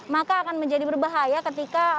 maka akan menjadi berbahaya ketika